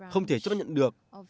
không thể chốt nhau